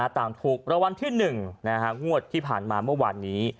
ถูกรางวัลที่๑งวดที่ผ่านมาเมื่อวานนี้